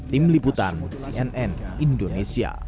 tim liputan cnn indonesia